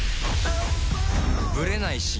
ブレない刺激